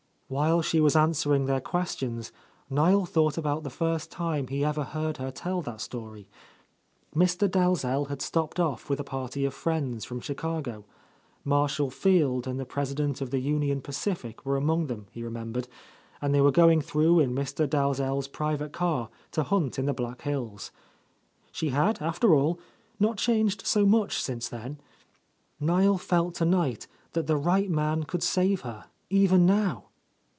While she was answering their questions, Niel thought about the first time he ever heard her tell that story: Mr. Dalzell had stopped off with a party of friends from Chicago; Marshall Field and the president of the Union Pacific were among them, he remembered, and they were going through in Mr. Dalzell's private car to hunt in the Black Hills. She had, after all, not changed so much since then. Niel felt tonight that the right man could save her, even now.